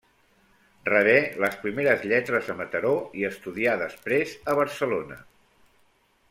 Rebé les primeres lletres a Mataró, i estudià després a Barcelona.